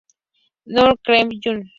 Honrado, Cleveland Jr.